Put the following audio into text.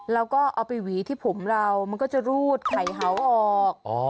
แล้วก็เอาไปหวีที่ผมเรามันก็จะรูดไข่เห่าออก